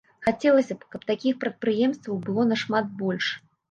Хацелася б, каб такіх прадпрыемстваў было нашмат больш.